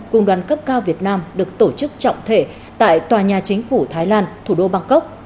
cùng đoàn cấp cao việt nam được tổ chức trọng thể tại tòa nhà chính phủ thái lan thủ đô bangkok